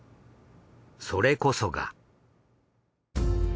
それこそが。